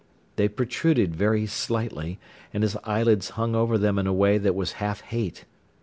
They protruded very slightly, and his eyelids hung over them in a way that was half hate.